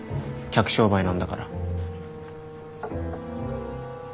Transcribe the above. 客商売なんだから。